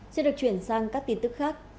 sẽ được chuyển sang các tin tức khác